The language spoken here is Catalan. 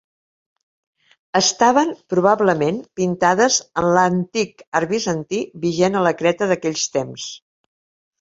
Estaven, probablement, pintades en l'antic art bizantí vigent a la Creta d'aquells temps.